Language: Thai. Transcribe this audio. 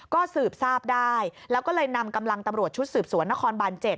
ก็สืบทราบได้แล้วก็เลยนำกำลังตำรวจชุดสืบสวนนครบาน๗